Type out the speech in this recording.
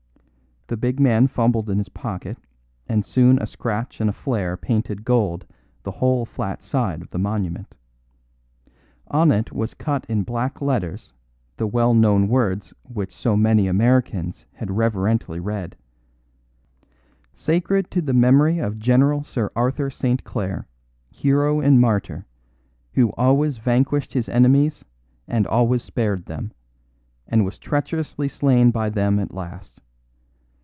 The big man fumbled in his pocket, and soon a scratch and a flare painted gold the whole flat side of the monument. On it was cut in black letters the well known words which so many Americans had reverently read: "Sacred to the Memory of General Sir Arthur St. Clare, Hero and Martyr, who Always Vanquished his Enemies and Always Spared Them, and Was Treacherously Slain by Them At Last.